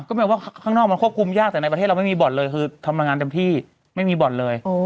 ก็หมายถึงทางนอกมันควบคุมยากแต่ในประเทศเราไม่มีบอร์ดเลยคือทำลังงานเต็มที่ไม่มีบอร์ดเลย